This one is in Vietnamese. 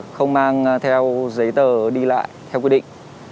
không mang theo giấy tờ đi lại theo quy định